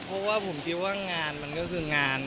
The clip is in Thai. เพราะว่าผมคิดว่างานมันก็คืองาน